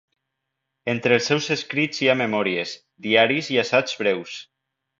Entre els seus escrits hi ha memòries, diaris i assaigs breus.